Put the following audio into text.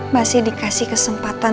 masih dikasih kesempatan